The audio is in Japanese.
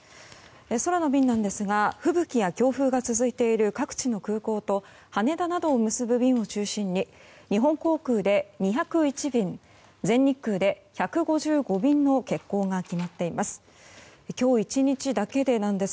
空の便なんですが、吹雪や強風が続いている各地の空港と羽田などを結ぶ便を中心に日本航空で２０１便全日空で１５５便の欠航が決まっています。